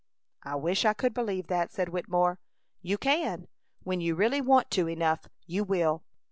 "I wish I could believe that!" said Wittemore. "You can! When you really want to, enough, you will!